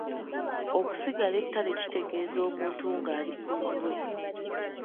Okusigala ettale kitegeeza omuntu ng'ali ku lulwe.